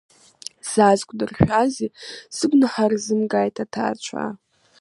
Саазықәдыршәазеи, сыгәнаҳа рзымгааит сҭаацәа…